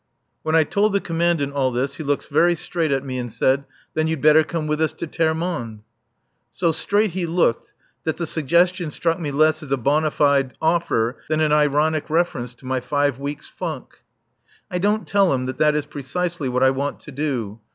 When I told the Commandant all this he looked very straight at me and said, "Then you'd better come with us to Termonde." So straight he looked that the suggestion struck me less as a bona fide offer than an ironic reference to my five weeks' funk. I don't tell him that that is precisely what I want to do.